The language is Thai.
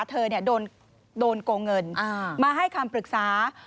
เธอโดนโกงเงินมาให้คำปรึกษา